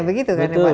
begitu kan pak nurin